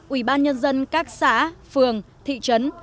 ủy ban nhân dân các xã phường thị trấn